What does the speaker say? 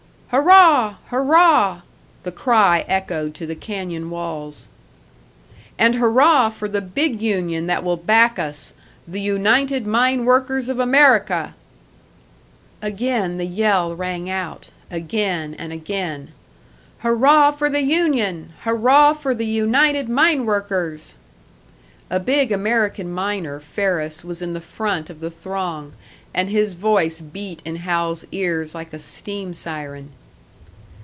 "Hurrah! Hurrah!" The cry echoed to the canyon walls. "And hurrah for the big union that will back us the United Mine Workers of America!" Again the yell rang out; again and again. "Hurrah for the union! Hurrah for the United Mine Workers!" A big American miner, Ferris, was in the front of the throng, and his voice beat in Hal's ears like a steam siren.